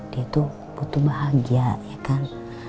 dia itu butuh bahagia ya kan